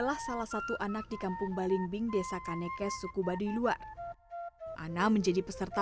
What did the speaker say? pemerintahan baling bink hombres nakal pasukan dirty